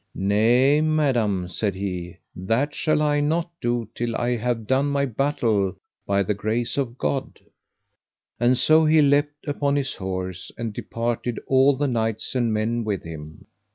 Nay, madam, said he, that shall I not do till I have done my battle, by the grace of God. And so he leapt upon his horse, and departed, all the knights and men with him.